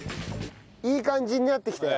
いい感じになってきたよ。